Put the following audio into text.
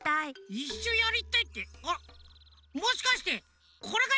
「いっしょやりたい」ってあっもしかしてこれがやりたいの？